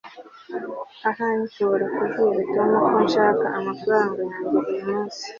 ahari nshobora kubwira tom ko nshaka amafaranga yanjye uyumunsi